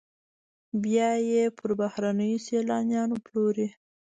بیا یې پر بهرنیو سیلانیانو پلوري